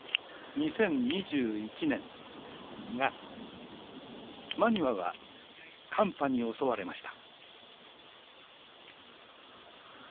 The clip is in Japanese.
２０２１年２月真庭は寒波に襲われました